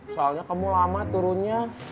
soalnya kamu lama turunnya